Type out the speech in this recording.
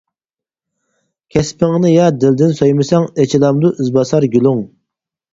كەسپىڭنى يا دىلدىن سۆيمىسەڭ، ئېچىلامدۇ ئىزباسار گۈلۈڭ.